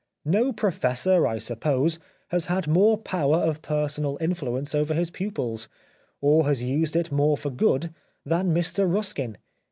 No pro fessor, I suppose, has had more power of personal influence over his pupils, or has used it more for good, than Mr Ruskin.